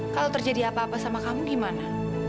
kalau terjadi apa apa sama kamu gimana